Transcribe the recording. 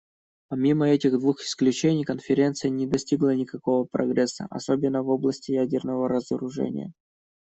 Помимо этих двух исключений, Конференция не достигла никакого прогресса, особенно в области ядерного разоружения.